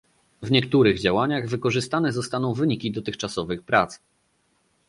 W niektórych działaniach wykorzystane zostaną wyniki dotychczasowych prac